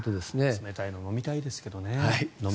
冷たいもの飲みたいですけどね